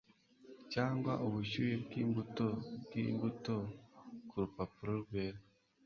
cyangwa ubushyuhe bwimbuto bwimbuto kurupapuro rwera